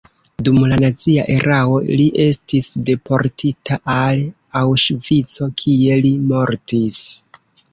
Dum la nazia erao li estis deportita al Aŭŝvico, kie li mortis.